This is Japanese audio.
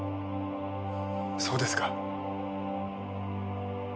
そうですか。